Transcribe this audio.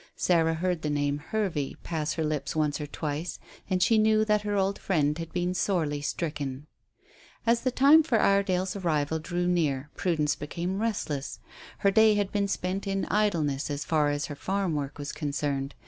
Sarah heard the name "Hervey" pass her lips once or twice, and she knew that her old friend had been sorely stricken. As the time for Iredale's arrival drew near, Prudence became restless. Her day had been spent in idleness as far as her farm work was concerned.